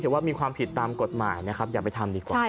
ว่ามีความผิดตามกฎหมายนะครับอย่าไปทำดีกว่า